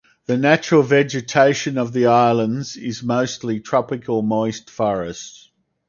The natural vegetation of the islands is mostly tropical moist forest.